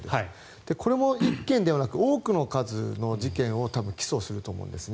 これも１件ではなく多くの数の事件を多分、起訴すると思うんですね。